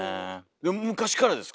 昔からですか？